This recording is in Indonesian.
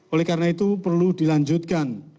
oleh karena itu perlu dilanjutkan